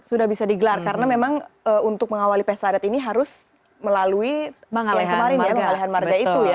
sudah bisa digelar karena memang untuk mengawali pesta adat ini harus melalui yang kemarin ya pengalihan marga itu ya